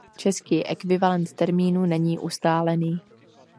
Český ekvivalent termínu není ustálený.